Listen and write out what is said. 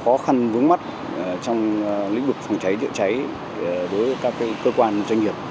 khó khăn vướng mắt trong lĩnh vực phòng cháy chữa cháy với các cơ quan doanh nghiệp